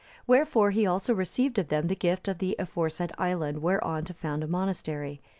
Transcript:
Wherefore he also received of them the gift of the aforesaid island whereon to found a monastery.